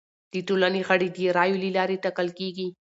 د ټولنې غړي د رایو له لارې ټاکل کیږي.